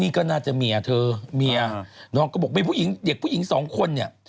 นี่ก็น่าจะเมียเธอเมียน้องก็บอกมีผู้หญิงเด็กผู้หญิงสองคนเนี่ย